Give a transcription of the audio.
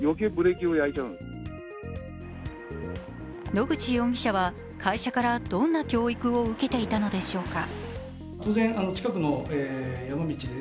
野口容疑者は会社からどんな教育を受けていたのでしょうか。